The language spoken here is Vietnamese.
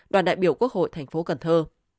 đoàn đại biểu quốc hội thành phố cần thơ